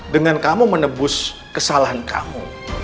dengan kamu menebus kesalahan kamu